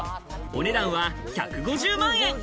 値段は１５０万円。